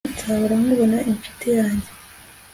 Nzahora nkubona inshuti yanjye